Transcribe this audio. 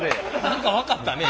何か分かったね